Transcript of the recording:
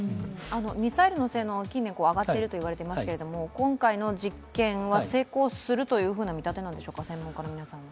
ミサイルの性能は近年、上がっているといわれていますが今回の実験は成功するという見立てなんでしょうか、専門家の皆さんは。